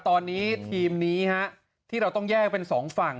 ตอนนี้ทีมนี้ที่เราต้องแยกเป็นสองฝั่ง